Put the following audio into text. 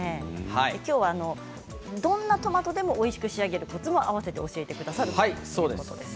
きょうは、どんなトマトでもおいしく仕上げるコツも併せて教えてくださるそうです。